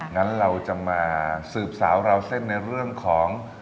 งั้นเราจะมาสืบสาวราวเส้นในเรื่องของ